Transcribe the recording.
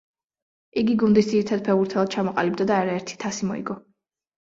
იგი გუნდის ძირითად ფეხბურთელად ჩამოყალიბდა და არაერთი თასი მოიგო.